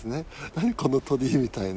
何この鳥みたいな。